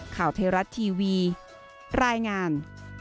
ข่าวไทยรัฐทีวีรายงาน